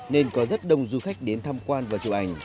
nên có rất đông du khách đến tham quan và chụp ảnh